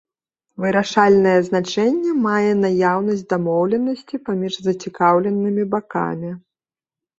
Вырашальнае значэнне мае наяўнасць дамоўленасці паміж зацікаўленымі бакамі.